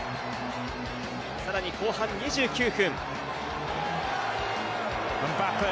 さらに後半２９分。